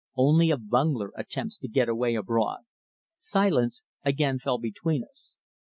Only a bungler attempts to get away abroad." Silence again fell between us.